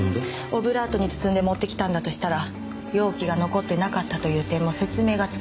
オブラートに包んで持ってきたんだとしたら容器が残ってなかったという点も説明がつくと。